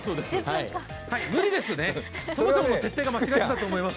無理ですね、そもそもの設定が間違えていたと思います。